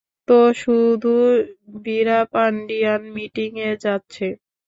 তো শুধু ভীরাপান্ডিয়ান মিটিং এ যাচ্ছে।